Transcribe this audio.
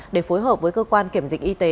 để phối hợp với cơ quan kiểm dịch y tế